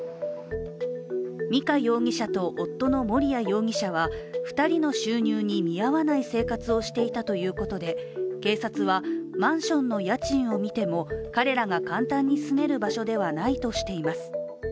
美香容疑者と夫の盛哉容疑者は２人の収入に見合わない生活をしていたということで、警察はマンションの家賃を見ても彼らが簡単に住める場所ではないとしています。